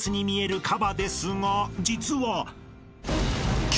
［実は］